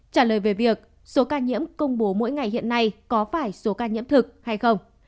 trả lời về việc số ca nhiễm công bố mỗi ngày hiện nay có phải số ca nhiễm thực hay không